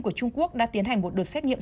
của trung quốc đã tiến hành một đợt xét nghiệm